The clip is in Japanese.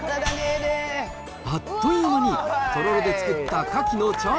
あっという間に、とろろで作ったカキの茶わん